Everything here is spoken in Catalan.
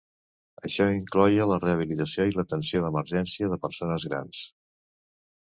Això incloïa la rehabilitació i l'atenció d'emergència de persones grans.